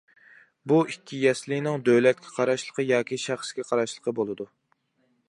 بۇ ئىككى يەسلىنىڭ دۆلەتكە قاراشلىقى ياكى شەخسىگە قاراشلىقى بولىدۇ.